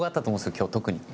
今日特に。